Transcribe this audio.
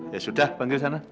ya sudah panggil sana